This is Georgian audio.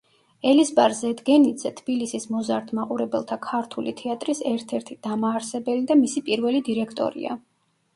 ელიზბარ ზედგენიძე თბილისის მოზარდ მაყურებელთა ქართული თეატრის ერთ-ერთი დამაარსებელი და მისი პირველი დირექტორია.